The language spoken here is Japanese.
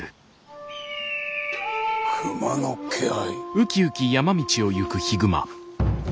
熊の気配？